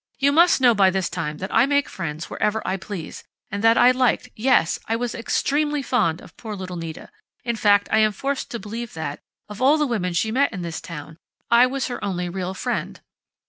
"You must know by this time that I make friends wherever I please, and that I liked yes, I was extremely fond of poor little Nita. In fact, I am forced to believe that, of all the women she met in this town, I was her only real friend."